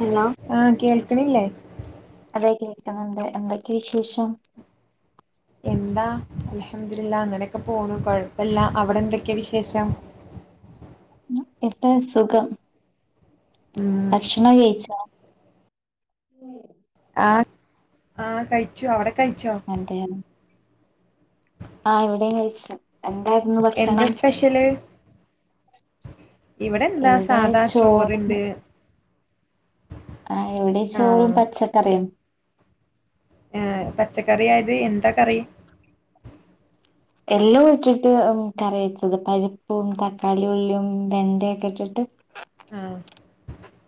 Hello ആഹ കേൾക്കണില്ലേ അതൊ കേൾക്കുന്നുണ്ട്. എന്തൊക്കെ വിശേഷം. എന്താ അലഹമ്മദുലില അങ്ങനെയൊക്കെ പോണു കുഴപ്പമില്ല. അവിടെ എന്തൊക്കെയാ വിശേഷം. എപ്പ സുഖം ഉം ഭക്ഷണം കയിച്ച. ഉ ആഹ ആഹ കഴിച്ചോ അവിടെ കഴിച്ചോ? അതെ ആഹ് ഇവിടെയും കഴിച്ചു എന്തായിരുന്നു എന്താ ഭക്ഷണം. സ്പെഷ്യല് ഇവിടെ എന്താ സാധാ ചോറണ്ട്. ആ് എവിടെ ചോറും ആഹ് പച്ചക്കറിയും. ഏ പച്ചക്കറി ആയത് എന്താ കറി. എല്ലാം ഇട്ടിട്ട് കറി വച്ചത് പരിപ്പും തക്കാളി ഉള്ളിയും വെണ്ടയൊക്കെ ഇട്ടിട്ട്. ആഹ്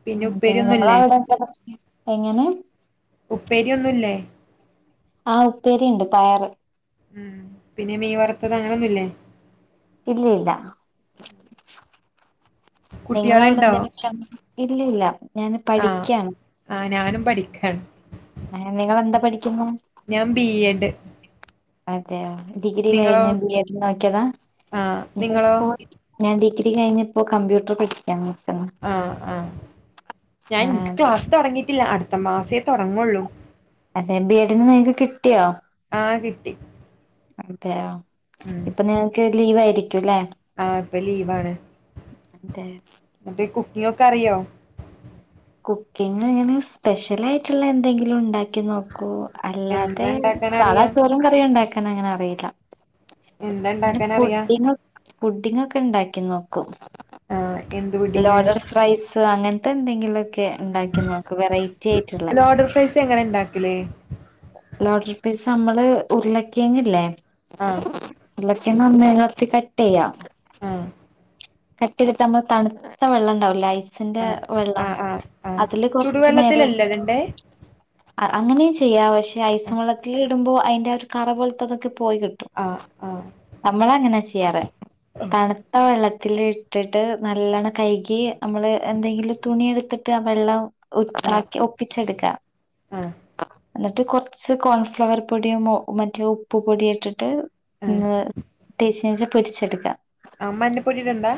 പിന്നെ ഉപ്പേരിയൊന്നുല്ലേ തേങ്ങ ഇ എങ്ങനെ ഉപ്പേരിംഒന്നുംഇല്ലേ ആ ഉപ്പേരിയിട് ഉണ്ട് പയറ്. ഉം പിന്നെ മീ വറുത്തത് അങ്ങനെൊന്നുമല്ലേ ഇല്ല ഇല്ല നിങ്ങളവിടെ കുട്ടികളുണ്ടോ എന്ത ഭക്ഷണം ഇല്ലല്ല ഞാന് പഠിക്കാണ്. ആഹ ഞാനും പഠിക്കാണ്. ഏഹ് നിങ്ങളെന്താ പഠിക്കുന്ന്? ഞാൻ ബി എഡ് മറ്റേ ഡിഗ്രി നിങ്ങളോ കഴിഞ്ഞ് ബി എഡ് നോക്കിയതാ? ആഹ് നിങ്ങളോ ഞാനിപ്പോ. ഞാൻ ഡിഗ്രി കഴിഞ്. പ്പോ കമ്പ്യൂട്ടർ പഠിക്കാണ്. ആഹ് ആഹ് ഞാൻ ഇൻക്ക് ആഹ് ക്ലാസ്സ് തൊടങ്ങിയിട്ടില്ല. അടുത്ത മാസേ തൊടങ്ങുള്ളൂ. എഎ ബി എഡിന്ന് നിങ്ങക്ക് കിട്ടിയോ? ആഹ് കിട്ടി. അതെയോ ഉം ഇപ്പൊ നിങ്ങക്ക് ലീവായിരിക്കു ല്ലേ? അ പ്പ ലീവാണ് മറ്റേ കുക്കിങ്ങൊക്കറിയോ? കുക്കിങ്ങ് ഇങ്ങനെ സ്പെഷ്യലയിറ്റുള്ള എന്തെങ്കിലു ഇണ്ടാക്കി നോ ക്കൂ അല്ലാതെ എന്താ ഇണ്ടാക്കാൻ സാധാ അറിയാ ചോറും കറി ഉണ്ടാക്കാനങ്ങനെ അറിയില്ല. എന്താ ങ്ങനെ ഇണ്ടാക്കാൻ അറിയാ പുഡ്ഡിങ് പുഡ്ഡിങ്ങൊക്കെ ഇണ്ടാക്കി നോക്കും. ആഹ് എന്ത് പുഡിങ് ലോഡഡ് ഫ്രൈസ് അങ്ങൻത്തെ എന്തെങ്കിലൊക്കെ ഇണ്ടാക്കി നോക്കു വെറൈറ്റിയയിറ്റുള്ളേ. തെങ്ങനെ ഇണ്ടാക്കല്? ലോഡറ് ഫ്രൈസ് നമ്മള് ഉരുളക്കിയങ്ല്ലേ? ആഹ് ഉരുക്കിഴങ്ങ് ഒന്നേനെടുത്ത് കട്ടെയ്യാം. ആഹ് കട്ടെയ്ത്ട്ട് നമ്മള് തണുത്ത വള്ളണ്ടാവൂലെ ഐ സിന്റെ ആഹ് വെള്ളം ആഹ് ആഹ് ആഹ് അതില് കൊറ്ച്ച് ചുടുവെള്ളത്തിലല്ലേ നേരട്ട് ഇടണ്ടേ അഅങ്ങനെയും ചെയ്യാ പക്ഷെ ഐസുവളളത്തില് ട്ടുമ്പോ അയിൻ്റാ ഒര് കറ പോലത്തതൊക്കെ പോയി കിട്ടും. ആഹ് ആഹ് നമ്മളങ്ങനെ ചെയ്യാറ്. തണുത്ത വെള്ള ത്തിലിട്ടിട്ട് നല്ലണം കൈകി നമ്മള് എന്തെങ്കിലു തുണിയെടുത്തിട്ട് ആ വെള്ളം ഉ ഉം ആക്കി ഒപ്പിച്ചെടുക്കാ. ആഹ് എന്നിട്ട് കൊറ്ച്ച് കോൺഫ്ലവർ പൊടിയും മൊ മറ്റേ ഉപ്പ് പൊടിയു ട്ട്ട്ട് ആഹ് ന്ന് തേച്ചിനേഷം പൊരിച്ചെടുക്കാ. ആഹ് മഞ്ഞപ്പൊടിടണ്ടാ?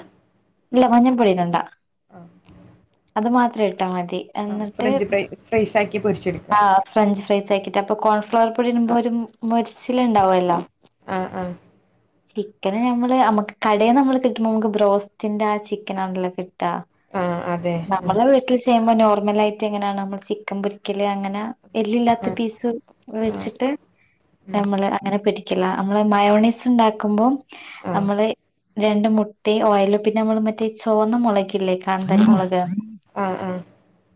ഇല്ല മഞ്ഞപ്പൊടി ഇടണ്ട. ആഹ്. അത് മാത്രേ ഇട്ടാ മതി. ആഹ് എന്നിട്ട് ഫ്രഞ്ച് ഫ്രൈ ഫ്രൈസാക്കി പൊരിച്ചെടുക്കാ. ആഹ് ഫ്രഞ്ച് ഫ്രൈസാക്കീട്ട് അപ്പൊ കോൺഫ്ലവർ പൊടിടുമ്പോ ഒരു മു മൊരിച്ചില്ണ്ടാവല്ലോ. ആഹ് ആഹ് ചിക്കന് നമ്മള് നമ്മുക്ക് കടേന്നമ്മള് കിട്ട്ണമ്മക്ക് ബ്രോസ്റ്റിന്റെ ആ ചിക്കനാണല്ലോ കി ട്ടാ ആഹ് അതെ ആഹ് നമ്മളെ വീട്ടിൽച് ചെയുമ്പം നോർമലായിട്ടെങ്ങനാണോ നമ്മള് ചിക്കൻ പൊരിക്കല് അങ്ങന എല്ലില്ലാത്ത ആഹ് പീസ് ആഹ് വെച്ചിട്ട് ഉം നമ്മള് അങ്ങനെ പൊരി ക്ക്യലാ നമ്മള് മയോണയ്സ് ഇണ്ടാക്കുമ്പോ ആഹ് നമ്മള് രണ്ട് മു ട്ടീം ഓയലും പിന്നമ്മള് മറ്റേ ചോന്ന മൊളകില്ലേ കാന്താരി ആഹ് മൊളക്, ആഹ് ആഹ്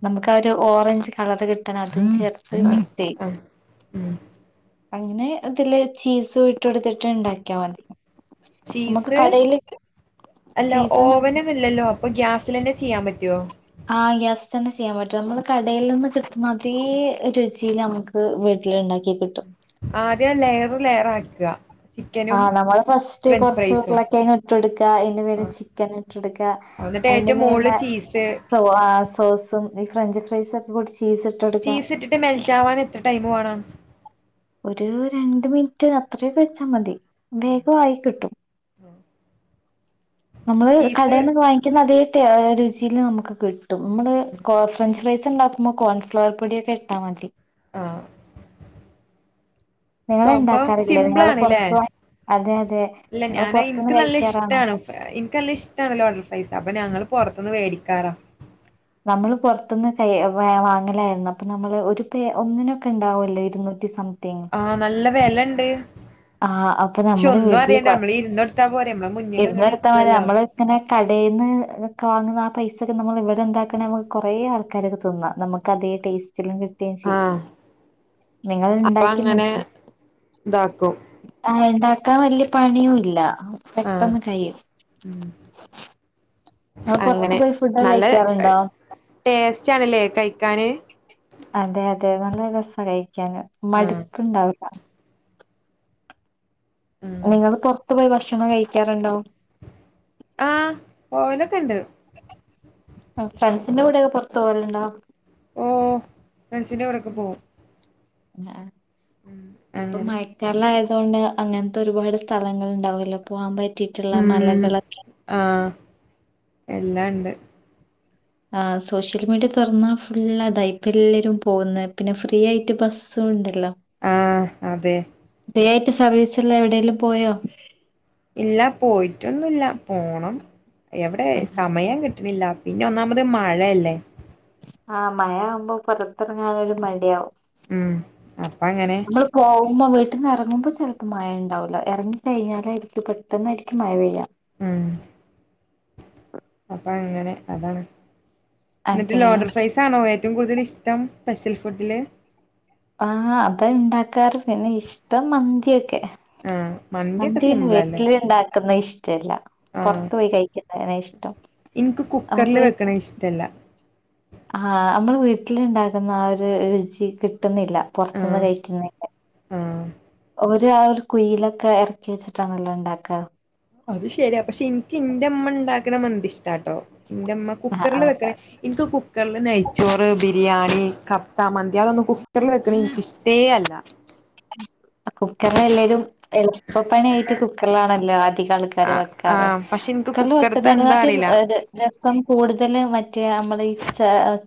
നമുക്കാ ഒരു ഓറഞ്ച് കളറ് കിട്ടാൻ അതും ചേർത്ത് ആഹ് മിക്സ്സെയ്യും. ആഹ് ഉം അങ്ങനെ ഇതില് ചീസും ഇട്ടൊടുത്തിട്ട് ഇണ്ടാക്കിയാ മതി. നമുക്ക് ചീസ് കടേല് അല്ല ഓവനൊന്നുല്ലല്ലോ അപ്പൊ ഗ്യാസ് ലെന്നെ ചെയ്യാൻ പറ്റോ? ആഹ് ഗ്യാസ് തന്നെ ചെയ്യാൻ പറ്റും. നമ്മള് കടേല് ന്ന് കിട്ടുന്നതേ രുചീല് നമുക് ക് വീട്ടിലിണ്ടാക്കി കിട്ടും. ആദ്യ ലെയറ് ലെയറാക്കാ. ആഹ് നമ്മള് ഫസ്റ്റ് കൊറ്ച്ച് ഫ്രൈസും ഉരുളക്കിഴങ്‌ട്ടൊടുക്കാ, അയിന്റെ മേലെ ആഹ് ചിക്കൻ ഇട്ടൊടുക്കാ. എന്നിട്ട് അയിന്റെ ഏറ്റവും മോളില് മേലെ ചീസ് സോ ആ സോസും ഈ ഫ്രഞ്ച് ഫ്രൈസൊക്കെ കൂടി ചീസ് കൊടുക്കാം ചീസ്ട്ട്ട്ട് മെൽറ്റാവാൻ എത്ര ടൈമ് വാണം? ഒരു രണ്ട് മിൻറ്റ് അത്ര്യൊക്കെ വെച്ചാമതി. വേഗവായി കിട്ടും. നമ്മള് ചീസ് കടേന്നൊകെ വാങ്ങി ക്ക്യ്ന്ന അതേ ടേ രുചിയിൽ നമുക്ക് കിട്ടും. നമ്മള് കൊ ഫ്രഞ്ച് ഫ്രൈസ് ഉണ്ടാക്കുമ്പം കോൺഫ്ലവർ പൊടിയൊക്കെ ഇ ട്ടാ മതി. ആഹ്. നിങ്ങള് സ്വംഭവം ഇണ്ടാക്കാറില്ലേ നിങ്ങള് സിമ്പിളാണ്ല്ലേ. പൊറത്ത് വാ അതെ അതെ അല്ല നിങ്ങള് ഞാനത് പൊറത്തുന്ന് ഇൻക്ക് നല്ല കഴിക്കാറാണോ ഇഷ്ടാണ്. ഇൻക്ക് നല്ല ഇഷ്ടാണ് ലോഡർ ഫ്രൈസ്. അപ്പം ഞങ്ങൾ പൊറത്ത്ന്ന് മേടിക്കാറാ. നമ്മള് പുറത്തുന്ന് കൈ വ വാങ്ങലായിരുന്നു. അപ്പൊ നമ്മള് ഒരു പേ ഒന്നിനൊക്കെ ഇണ്ടാവൊല്ലോ ഇരുന്നൂറ്റി സം ആഹ് നല്ല വെലണ്ട്. ആഹ് അപ്പൊ പക്ഷെ നമ്മുടെ ഒന്നും വീട്ടില് അറിയണ്ട. കൊ നമ്മള് ഇരുന്ന് കൊടുത്താ പോരെ നമ്മളെ മുന്നേല്ങ്ങട്ട് ഇരുന്നെടുത്താ മതി എത്ത്വല്ലോ. നമ്മള് ഇങ്ങനെ കടേന്ന് ക്കെ വാങ്ങുന്ന ആ പൈസൊക്കെ നമ്മൾ ഇവടെണ്ടാക് ക്ണത് നമുക്ക് കൊറേ ആൾക്കാർക്ക് തിന്നാ. നമുക്ക് അതേ ടേസ്റ്റിലും കി ട്ടേം ചെയ്യും. ആഹ് നിങ്ങള് അപ്പൊ ണ്ടാക്കി അങ്ങനെ നോക്കി. ഇതാക്കും ആഹ് ഇണ്ടാക്കാൻ വല്യ പണിയൂല്ല. ആഹ് പെട്ടന്ന് കഴിയും. ഉം. നിങ്ങള് പൊറത്ത് അങ്ങനെ പോയി ഫുഡ് നല്ല കഴിക്കാറുണ്ടോ ടേസ്റ്റാണ്ലേ കഴിക്കാന്? അതെ അതെ നല്ല രസ കഴിക്കാന് ആഹ് മടുപ്പുണ്ടാവൂല്ല ഉം നിങ്ങള് പൊറത്ത് പോയി ഭക്ഷണം കഴിക്കാറുണ്ടോ? ആഹ് പോവലൊക്കെണ്ട് ഫ്രണ്ട്സിന്റെ കൂടെയൊക്കെ പൊറത്ത് പോവലുണ്ടോ? ഓഹ് ഫ്രണ്ട്സിന്റെ കൂടെയൊക്കെ പോകും ആഹ് ഇപ്പം അങ്ങനെ മഴ ക്കാലായതോണ്ട് അങ്ങനത്തെ ഒരുപാട് സ്ഥലങ്ങൾ ഉണ്ടാവും അല്ലേ പോകാൻ പറ്റിയിട്ടുള്ള ഉം മലകളൊക്കെ ആഹ് എല്ലാംണ്ട് ആഹ് സോഷ്യൽ മീഡിയ തുറന്നാ ഫുുള്ള അതാ ഇപ്പയെല്ലരും പോകുന്നെ പിന്നെ ഫ്രീ ആയിട്ട് ബസ് സ്സും ഉണ്ടല്ലോ? ആഹ് അതെ ഫ്രീ ആയിട്ട് സർവീസ്ള്ള എവിടേലും പോയോ? ഇല്ല പോയിട്ടൊന്നുല്ല പോണം എവിടെ സമയം ആഹ് കിട്ട കിട്ട്ണില്ല പിന്നെ ഒന്നാമത് മഴയല്ലേ ആഹ് മഴ ആവുമ്പോ പൊറത്തിറങ്ങാനൊരു മടിയാവും ഉം അപ്പ അങ്ങനെ നമ്മള് പോകുമ്പോ വീട്ടിന്ന് എറങ്ങുമ്പോ ചെലപ്പോ മഴ ഉണ്ടാവൂല്ല എറങ്ങി കഴിഞ്ഞാലായിരിക്കും പെട്ടെന്നായിരിക്കും മഴ പെയ്യ ഉം അപ്പൊ അങ്ങനെ അതാണ് ഇന്നെട്ട് അതെയോ ലോഡർ ഫ്രൈസ് ആണോ ഏറ്റവും കൂടുതലിഷ്ടം സ്പെഷ്യൽ ഫുഡില്? ആഹ് അതാ ഇണ്ടാക്കാറ് പിന്നെ ഇഷ്ടം മന്തിയെക്കെ ആഹ് മന്തിയൊക്കെ മന്തി പിന്നെ സിമ്പിൾ അല്ലേ വീട്ടില് ഇണ്ടാക്കുന്നെ ഇഷ്ടല്ല ആഹ് പൊറത്തു പോയി കഴിക്കുന്നെയാണ് ഇഷ്ടം നമ്മക്ക് പോ ഇഷ്ട്ടല്ല ആഹ് അമ്മള് വീട്ടിലുണ്ടാക്കുന്ന ആ ഒരു രുചി കി- ട്ടുന്നില്ല പൊറത്ത്ന്ന് ആഹ് കഴിക്കുന്നേന്റെ ആഹ് ഓര് ആ ഒര് കൂ യിയിലൊക്കെ എറക്കി വെച്ചിട്ടാണല്ലോ ഇണ്ടാക്ക അത് ശരിയാ പക്ഷെ ഇൻക്ക് ഇന്റെ ഇമ്മ ഇണ്ടാക്ക്ണ മന്തി ഇഷ്ട്ടാട്ടോ ഇന്റെമ്മ കു ആഹ് ക്കറില് വെക്ക്ണെ ആഹ് ഇനിക്ക് കു ക്കറില് നെയ്ച്ചോറ്, ബിരിയാണി, കഫ്സ, മന്തി, അതൊന്നും കുക്കറില് വെക്ക്ണെ ഇനിക്ക്‌ ഇഷ്ട്ടേ അല്ല കുക്കർല് അല്ലേലും എളുപ്പപ്പണിയായിട്ട് കുക്കറിലാണല്ലോ അധികം ആൾക്കാ ക്കാരും ആഹ് വെക്കാറ് ആഹ് പക്ഷെ എനിക്ക് കുക്കറില് കുക്കറത്തെ വെക്ക്ണ എന്താ കാട്ടിലും അറിയില്ല ഏഹ് രസ- - രസം കൂടുതൽ മറ്റേ നമ്മള് ഈ ച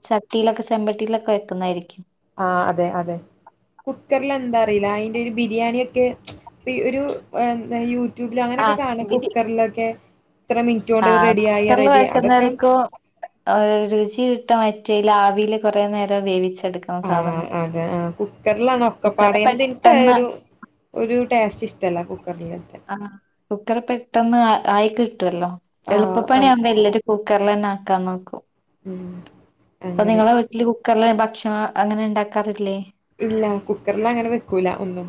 ചട്ടിയിലൊക്കെ ചെമ്പട്ടിയിലൊക്കെ വെക്കുന്നായിരിക്കും. ആഹ് അതെ അതെ കുക്കറ്‌ലെന്താ അറീല്ല അയിന്റെ ഒരു ബിരിയാണിയൊക്കെ ഒരു എന്ത യു ട്യൂബിലോ അങ്ങനെക്കെ ആഹ് കാണ വിധി കുക്കറിലൊക്കെ ഇത്ര മിനിറ്റ് കൊണ്ട് ആഹ് റെഡിയായി കുക്കറിൽ റെഡി അതൊക്കെ വെക്കുന്നേൽക്കും ഒരു രുചി കിട്ട മറ്റേൽ ആവിയിൽ കൊറേ നേരം വേവിച്ചെടുക്കും ആഹ് അതെ ആ കുക്കറിലാണ് ഒ ക്കപ്പാടെ കുക്കറിൽ എന്ത ഇൻക്ക് ആ പെട്ടെന്ന് ഒരു ടേസ്റ്റ് ഇഷ്ട്ടല്ല കുക്കറിലെത്തെ കുക്കർ പെട്ടെന്ന് ആയി കിട്ടുവല്ലോ ആഹ് അത് എളുപ്പപ്പണിയാവുമ്പോ എല്ലരും കുക്കറിലന്നെ ആക്കാൻ നോക്കും ഉം അപ്പൊ അങ്ങനെ നിങ്ങളെ വീട്ടില് കുക്കർല് ഭക്ഷണം അങ്ങനെ ഇണ്ടാക്കാറില്ലേ? ഇല്ല കുക്കർലങ്ങനെ വെക്കൂല ഒന്നും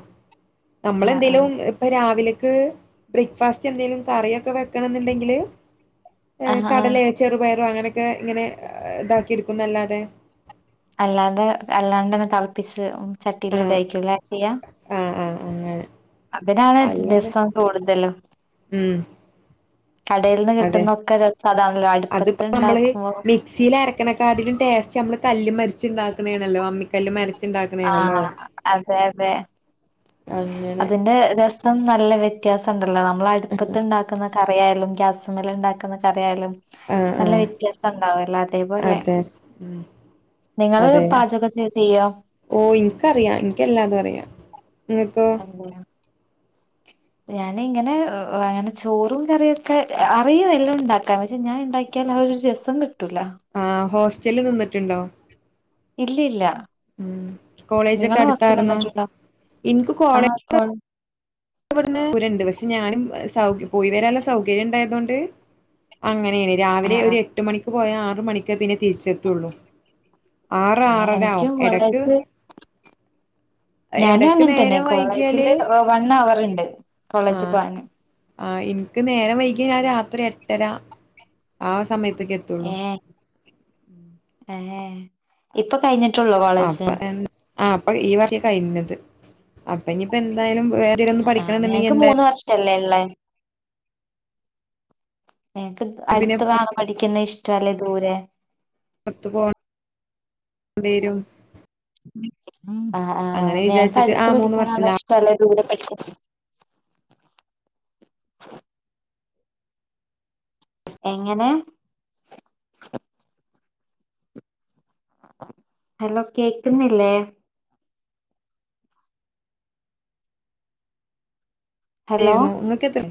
ആഹ് ആഹ് നമ്മളെന്തേലും ഇ പ്പൊ രാവിലക്ക് ബ്രേക്ക്ഫാസ്റ്റ് എന്തെങ്കിലും കറൊക്കെ വെക്കണം ന്നുണ്ടെങ്കില് ആഹ് ആഹ് കടല ചെറുപയറു അങ്ങനെക്കെ ഇങ്ങനെ ഇതാക്കിട്ക്കുന്നല്ലാതെ അല്ലാതെ അല്ലാണ്ട്ന്നെ തിളപ്പിച്ച് ചട്ടിൽ ആഹ് ഇടഴക്കല ചെയ്യാ ആഹ് ആഹ് അങ്ങനെ അതിനാണ് അല്ലാതെ ദിവസം കൂടുതലും ഉം കടൽന്ന് അതെ കിട്ടുന്നൊക്കെ രസതാണല്ലോ അടുപ്പത്ത് ഇണ്ടാക്കുമ്പോ മിക്സിയിലര ക്ക്ണേക്കാട്ടിലും ടേസ്റ്റ് നമ്മള് കല്ല്മ്മെ അരിച്ച്ണ്ടാക്ക്ണെ അണല്ലോ അമ്മിക്കല്ല്മ്മെ അരച്ച് ഇണ്ടാക്കുന്നെ ആണല്ലോ ആഹ് അതെ അതെ അങ്ങനെ അതിന്റെ രസം നല്ല വ്യത്യാസം ണ്ടല്ലോ ആഹ് നമ്മളടുപ്പത്ത്ണ്ടാ ക്കുന്ന കറിയായാലും ഗാസ്മി ണ്ടാക്കുന്ന കറിയായാലും ആഹ് നല്ല ആഹ് വ്യത്യാസം ഉണ്ടാവല്ലോ അതേപോലെ അതെ ഉം ന്നിങ്ങള് അതെ പാചകം ചെയ്യോ ഓഹ് ഇൻക്കറിയാം ഇൻക്ക് എല്ലാതും അറിയാം ങ്ങക്കോ [unintelligible] ഞാന് ഇങ്ങനെ അങ്ങനെ ചോറും കറിയും ഒക്കെ അറിയും എല്ലാം ഉണ്ടാക്കാം പക്ഷെ ഞാൻണ്ടാ ക്കിയാല് ആഹ് ഒരു രസം കിട്ടൂല ആഹ് ഹോസ്റ്റല് നിന്നിട്ടുണ്ടോ ഇല്ലല്ല ഉം നിങ്ങള് കോളേജൊക്കെ നിങ്ങള് ഹോസ്റ്റൽല് അടുത്തായിരുന്നോ നിന്ന്ട്ട്ണ്ടോ ആഹ് കൊ ൻക്ക് വട്ന്ന് ദൂരണ്ട് പക്ഷെ ഞാനും പോയി വരാൻള്ള സൗകര്യം ഇണ്ടായതൊണ്ട് അങ്ങനെണ് രാവിലെ ആഹ് ഒരു എട്ട് മണിക്ക് പോയാ ആറ് മണിക്കെ പിന്നെ തിരിച്ചെത്തുള്ളൂ ആറ് ആഹ് ആറരാവും എനിക്കും എടക്ക് കോളേജ് ഞാനും എടക്ക് അങ്ങനെ തന്നെ നേരം വൈകിയാല് കോളേജില് വൺ ഹവർ ഇണ്ട് കോളേജ് പോവാന് ആഹ് ഇൻക്ക് നേരം വൈകിങ്ങാണ്ട് രാത്രി എട്ടര ആഹ് സമയത്ത്ക്കെ ഏഹ് ഏഹ് ഇപ്പൊ കഴിഞ്ഞി അപ്പൊ ആഹ് അപ്പൊ ഈ കഴിഞ്ഞത് അപ്പ ഇനിയിപ്പ എന്തായാലും വേ ന്തേലൊന്ന് പഠിക്കണന്ന്ണ്ടെങ്കി എന്തയാലും ക്കല്ലേള്ളെ പിന്നെ [unintelligible] പഠിക്കുന്നെ ഇഷ്ടല്ലേ ദൂരെ പുറത്തു പോണം പേരും അങ്ങനെ ഞങ്ങക്ക് വിചാരിച്ചിട്ട് ആ അടുത്ത് മൂന്ന് പിടിക്കാനാ വർഷം ലാസ്റ്റ് ഇഷ്ടല്ല ദൂരെപ്പെടി എങ്ങനെ ഹലോ കേക്കുന്നില്ലേ? ഹലോ ര്ന്നു ങ്ങക്ക് എത്ര